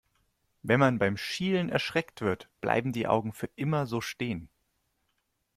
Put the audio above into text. Wenn man beim Schielen erschreckt wird, bleiben die Augen für immer so stehen.